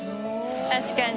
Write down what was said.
確かに。